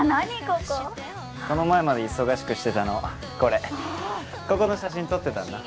この前まで忙しくしてたのこれここの写真撮ってたんだ